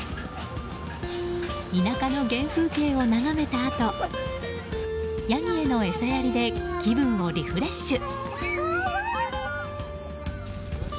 田舎の原風景を眺めたあとヤギへの餌やりで気分をリフレッシュ。